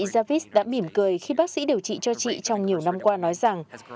tôi đã giúp chị cho chị trong nhiều năm qua nói rằng